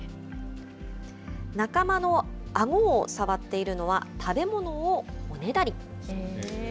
仲間のあごを触っているのは、食べ物をおねだり。